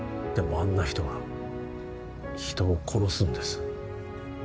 あんな人が人を殺すんです